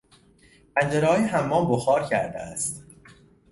پنجرههای حمام بخار کرده است.